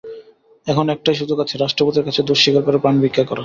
এখন একটাই সুযোগ আছে, রাষ্ট্রপতির কাছে দোষ স্বীকার করে প্রাণভিক্ষা করা।